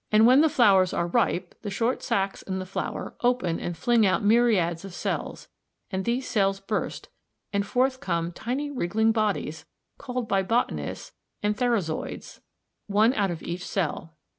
Now when the flowers are ripe the short sacs in the flower A open and fling out myriads of cells zc, and these cells burst, and forth come tiny wriggling bodies z, called by botanists antherozoids, one out of each cell.